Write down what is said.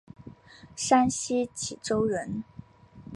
山西忻州人。